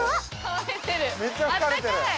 あったかい。